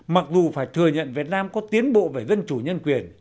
mặc dù phải thừa nhận việt nam có tiến bộ về dân chủ nhân quyền